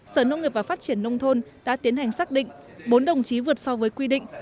sở nông nghiệp và phát triển nông thôn đã tiến hành xác định bốn đồng chí vượt so với quy định